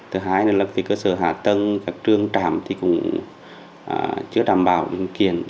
thứ hai là cơ sở hạ tân các trường trảm cũng chưa đảm bảo những kiện